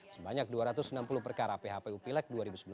sebanyak dua ratus enam puluh perkara phpu pileg dua ribu sembilan belas